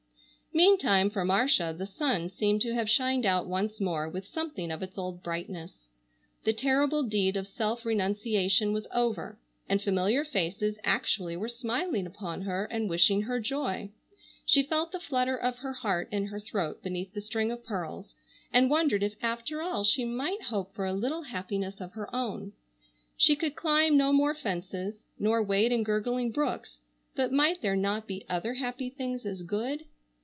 Meantime for Marcia the sun seemed to have shined out once more with something of its old brightness. The terrible deed of self renunciation was over, and familiar faces actually were smiling upon her and wishing her joy. She felt the flutter of her heart in her throat beneath the string of pearls, and wondered if after all she might hope for a little happiness of her own. She could climb no more fences nor wade in gurgling brooks, but might there not be other happy things as good?